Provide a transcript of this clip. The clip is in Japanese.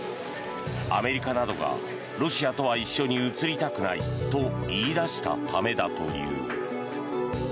アメリカなどがロシアとは一緒に写りたくないと言い出したためだという。